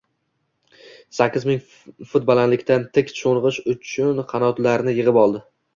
Sakkiz ming fut balandlikdan tik sho‘ng‘ish uchun qanotlarini yig‘ib oldi